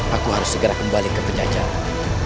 aku harus segera kembali ke pejajaran